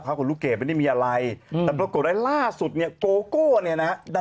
คราวของลูกเกษมันได้มีอะไรแต่ปรากฏว่าล่าสุดโกโกดันได้ขึ้นมา